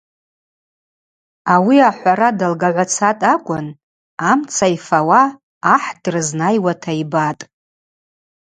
Ауи ахӏвара далгагӏвацатӏ акӏвын амца йфауа ахӏ дрызнайуа йбатӏ.